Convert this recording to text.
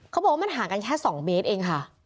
เขาบอกว่ามันห่างกันแค่๒เมตรเองค่ะ